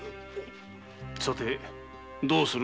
さてどうする？